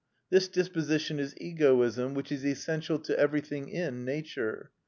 This disposition is egoism, which is essential to everything in Nature.